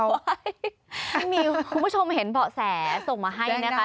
ไม่มีคุณผู้ชมเห็นเบาะแสส่งมาให้นะคะ